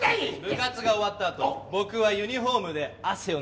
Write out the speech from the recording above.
部活が終わったあと僕はユニホームで汗を拭い。